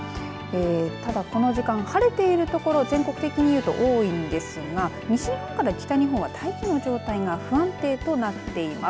ただ、この時間晴れている所全国的にいうと多いんですが西日本から北日本は大気の状態が不安定となっています。